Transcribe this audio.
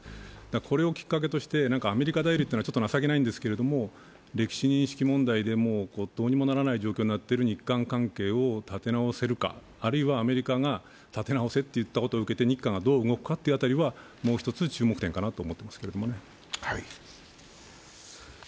これをきっかけとして、アメリカ頼りというのはちょっと情けないんですけれども、歴史認識問題でもどうにもならない状況になっている日韓関係を立て直せるか、あるいはアメリカが立て直せと言ったことを受けて日韓がどう動くかという辺りはもう１つ注目点かなと思います。